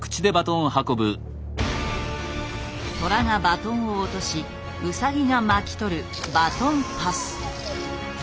トラがバトンを落としウサギが巻き取るバトンパス。